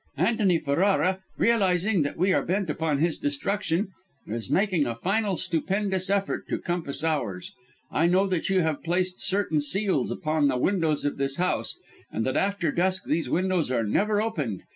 "Antony Ferrara, realising that we are bent upon his destruction, is making a final, stupendous effort to compass ours. I know that you have placed certain seals upon the windows of this house, and that after dusk these windows are never opened.